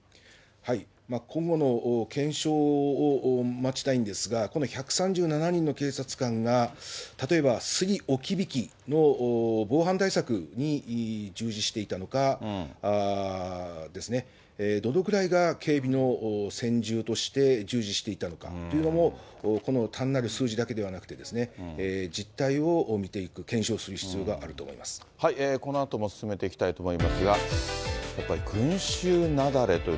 今後の検証を待ちたいんですが、この１３７人の警察官が、例えばスリ、置き引きの防犯対策に従事していたのかですね、どのくらいが整備の専従として従事していたのかというのも、この単なる数字だけではなくて、実態を見ていく、検証する必要がこのあとも進めていきたいとあと１周！